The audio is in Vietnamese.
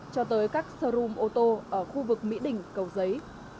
cho tới các seoum ô tô ở khu vực mỹ đình cầu giấy